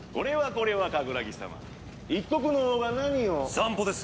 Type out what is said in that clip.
散歩です。